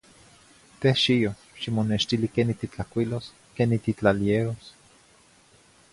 Teh xiyo, ximonextili queni titlacuilos, queni titlaleeros.